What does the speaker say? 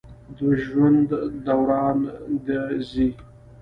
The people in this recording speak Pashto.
د ژوند دوران د زی